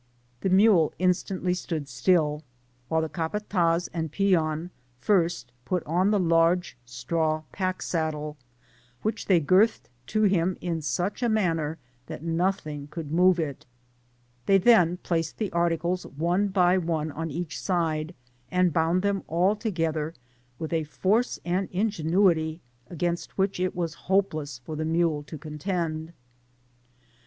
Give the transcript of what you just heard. The mule instantly stood Digitized byGoogk THE GREAT CORDILLERA. 199 Still, while the capatdz and peon first put on the large straw pack saddle, which they girthed to him in such a manner that nothing could move iu They then placed the articles one by one on each side, and bound them all together, with a force and ingenuity against which it was hopeless for the mule to contend.